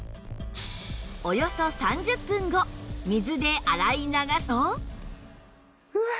およそ３０分後水で洗い流すと